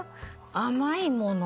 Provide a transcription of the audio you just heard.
甘いもの。